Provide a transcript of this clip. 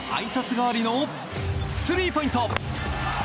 代わりのスリーポイント！